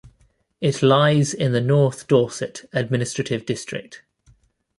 It lies in the North Dorset administrative district.